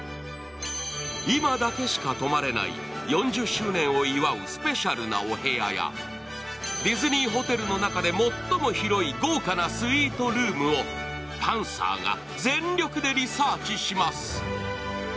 今だけしか泊まれない、４０周年を祝うスペシャルなお部屋やディズニーホテルの中で最も広い豪華なスイートルームをパンサーが全力でリサーチします。